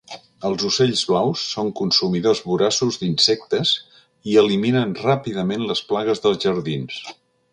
Els ocells blaus són consumidors voraços d'insectes i eliminen ràpidament les plagues dels jardins.